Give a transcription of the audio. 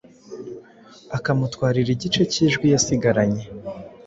akamutwarira igice k’Ijwi yasigaranye